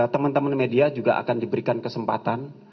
teman teman media juga akan diberikan kesempatan